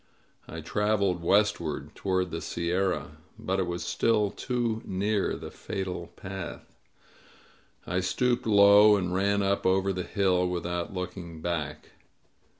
I traveled westward, toward the sierra. But it was still too near the fatal path. I stooped low and ran up over the hill, without looking back.